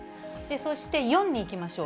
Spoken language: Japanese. そして４に行きましょう。